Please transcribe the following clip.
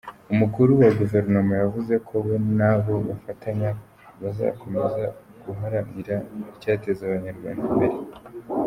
Umukuru wa Guverinoma yavuze ko we n’abo bafatanya bazakomeza guharanira icyateza Abanyarwanda imbere.